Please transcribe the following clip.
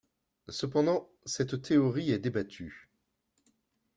Cependant, cette théorie est débattue.